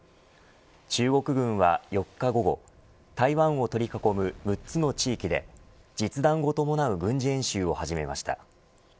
中国軍は４日午後台湾を取り囲む６つの地域で実弾を伴う軍事演習を始めました。